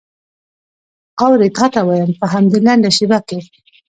اورې تا ته وایم په همدې لنډه شېبه کې.